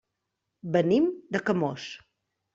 Venim de Camós.